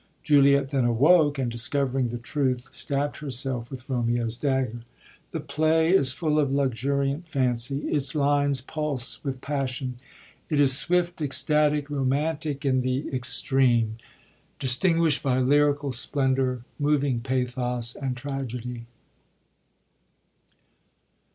Juliet then awoke, and discovering the truth, stabd herself with Romeo's dagger. The play is full of luxuriant fancy; its lines pulse with passion ; it is swifts ecstatic, romantic in the ex« 8i VENUS AND ADONiS—LUCRECE' RICHARD U treme, distinguisht by lyrical splendour, moving pathos and tragedy.